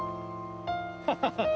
ハハハッ！